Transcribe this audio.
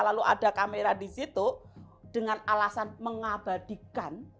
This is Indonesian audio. lalu ada kamera di situ dengan alasan mengabadikan